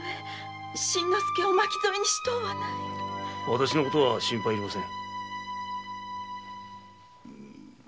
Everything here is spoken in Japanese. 私の事は心配いりません。